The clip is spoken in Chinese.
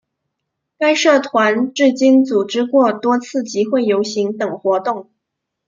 该社团至今组织过多次集会游行等活动。